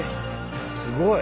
すごい！